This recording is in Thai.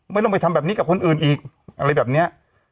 ไม่ต้องไปทำแบบนี้กับคนอื่นอีกอะไรแบบนี้